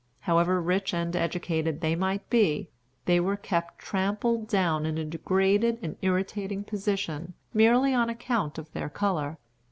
However rich and educated they might be, they were kept trampled down in a degraded and irritating position, merely on account of their color.